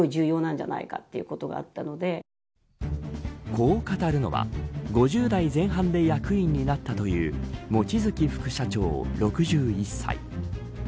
こう語るのは５０代前半で役員になったという望月副社長、６１歳。